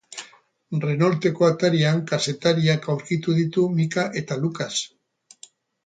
Renaulteko atarian kazetariak aurkitu ditu Micka eta Lucas.